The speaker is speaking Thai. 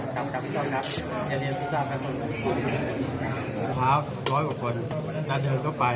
จะเร่งกระหน่งมือเข้าไป